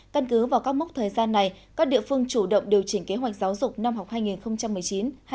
căn cứ vào các mốc thời gian này các địa phương chủ động điều chỉnh kế hoạch giáo dục năm học hai nghìn một mươi chín hai nghìn hai mươi